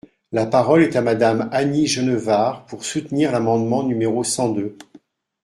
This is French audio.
La parole est à Madame Annie Genevard, pour soutenir l’amendement numéro cent deux.